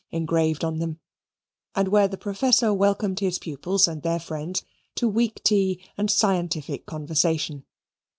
_] engraved on them), and where the professor welcomed his pupils and their friends to weak tea and scientific conversation.